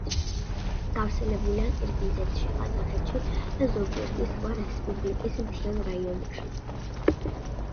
გავრცელებულია ყირგიზეთში, ყაზახეთში და ზოგიერთი სხვა რესპუბლიკის მთიან რაიონებში.